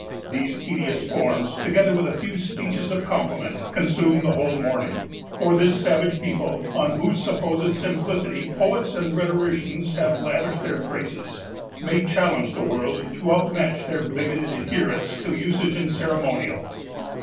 These tedious forms, together with a few speeches of compliment, consumed the whole morning; for this savage people, on whose supposed simplicity poets and rhetoricians have lavished their praises, may challenge the world to outmatch their bigoted adherence to usage and ceremonial.